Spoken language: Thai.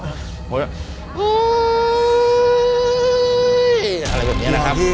อะไรแบบเนี่ยคับ